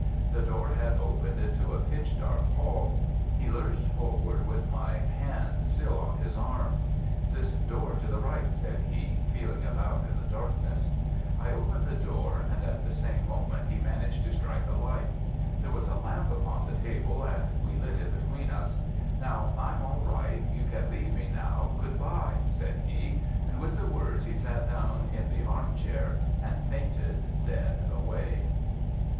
The door had opened into a pitch dark hall. He lurched forward, with my hand still on his arm. "This door to the right," said he, feeling about in the darkness. I opened the door, and at the same moment he managed to strike a light. There was a lamp upon the table, and we lit it between us. "Now, I'm all right. You can leave me now! Good bye!" said he, and with the words he sat down in the arm chair and fainted dead away.